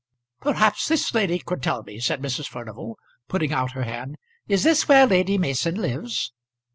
"Perhaps this lady could tell me," said Mrs. Furnival, putting out her hand. "Is this where Lady Mason lives?"